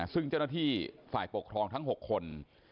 ซึ่งเจ้าหน้าที่ฝ่ายปกครองทั้ง๖คน